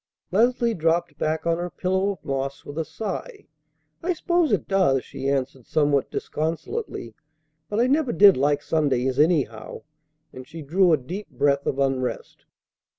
Leslie dropped back on her pillow of moss with a sigh. "I s'pose it does," she answered somewhat disconsolately. "But I never did like Sundays anyhow!" and she drew a deep breath of unrest.